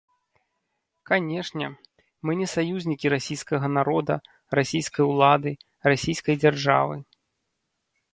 Канешне, мы не саюзнікі расійскага народа, расійскай улады, расійскай дзяржавы.